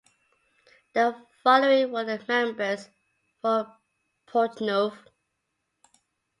The following were the members for Portneuf.